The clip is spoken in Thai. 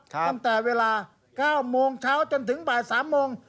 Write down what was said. ตั้งแต่เวลา๙โมงเช้าจนถึงบ่าย๓โมง